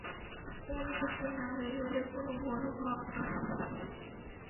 কোণ থেকে না বেরুলে কোন বড় ভাব আসে না।